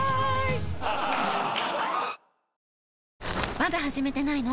まだ始めてないの？